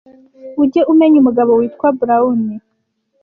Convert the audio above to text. Ujya umenya umugabo witwa Brown?